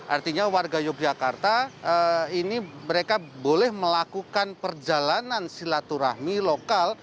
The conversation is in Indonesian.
artinya warga yogyakarta ini mereka boleh melakukan perjalanan silaturahmi lokal